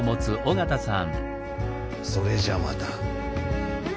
それじゃあまた。